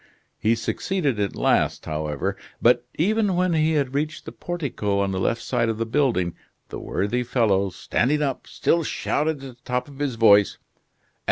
He succeeded at last, however, but even when he had reached the portico on the left side of the building, the worthy fellow, standing up, still shouted at the top of his voice: "At M.